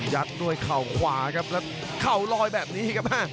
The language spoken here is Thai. ยัดด้วยขาวขวาแล้วขาวรอยแบบนี้